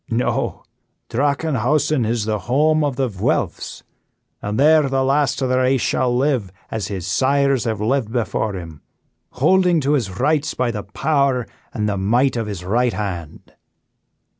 No, Drachenhausen is the home of the Vuelphs, and there the last of the race shall live as his sires have lived before him, holding to his rights by the power and the might of his right hand."